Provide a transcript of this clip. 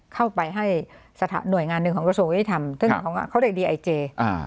เข้าไปให้หน่วยงานหนึ่งของกระทรวงยุติธรรมซึ่งเขาเรียกดีไอเจอ่า